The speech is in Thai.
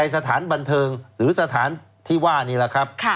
สถานบันเทิงหรือสถานที่ว่านี่แหละครับ